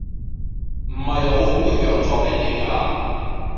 唔係老奉要讓坐比你㗎